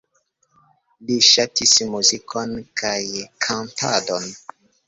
Li ŝatis muzikon kaj kantadon.